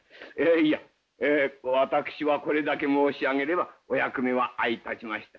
いやいや私はこれだけ申し上げればお役目は相立ちました。